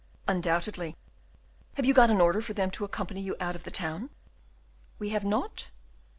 "Undoubtedly." "Have you got an order for them to accompany you out of the town?" "We have not?"